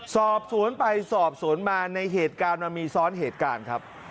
สอบสวนไปสอบสวนมาในเหตุการณ์มันมีซ้อนเหตุการณ์ครับ